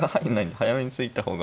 早めに突いた方が。